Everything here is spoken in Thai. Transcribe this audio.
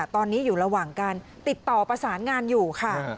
ตอนนี้อยู่ระหว่างการติดต่อประสานงานอยู่ค่ะ